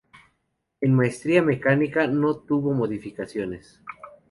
En materia mecánica no tuvo modificaciones.